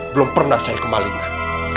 belum pernah saya kemalingan